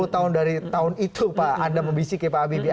dua puluh tahun dari tahun itu pak anda memisiki pak habibie